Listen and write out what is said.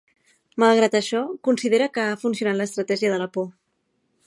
Malgrat això, considera que ha funcionat lestratègia de la por.